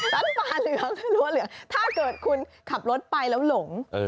ปลาเหลืองคือรั้วเหลืองถ้าเกิดคุณขับรถไปแล้วหลง